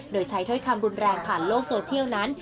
โดยใช้ถ้อยคำรุนแรงผ่านโลกโซเทียลนั้น